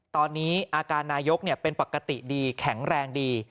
ตอนนี้อาการนายกเป็นปกติดีแข็งแรงดี